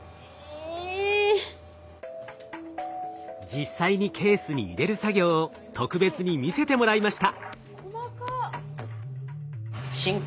実際にケースに入れる作業を特別に見せてもらいました。